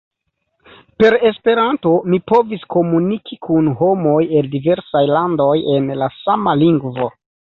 Per Esperanto mi povis komuniki kun homoj el diversaj landoj en la sama lingvo.